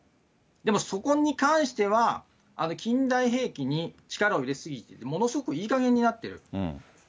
でもそこに関しては、近代兵器に力を入れ過ぎて、ものすごくいいかげんになっている。